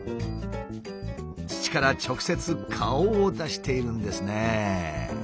土から直接顔を出しているんですね。